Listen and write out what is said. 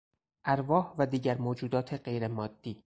ارواح و دیگر موجودات غیر مادی